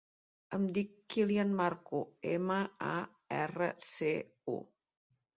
Em dic Kylian Marcu: ema, a, erra, ce, u.